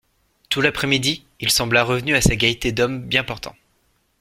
Tout l'après-midi, il sembla revenu à sa gaieté d'homme bien portant.